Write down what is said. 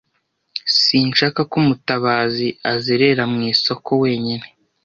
Sinshaka ko Mutabazi azerera mu isoko wenyine.